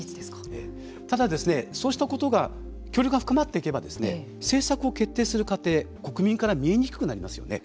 ただ、そうしたことが距離が深まっていけば政策を決定する過程国民から見えにくくなりますよね。